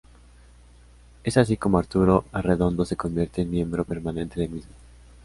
Es así como Arturo Arredondo se convierte en miembro permanente del mismo.